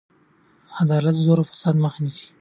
عدالت د زور او فساد مخه نیسي.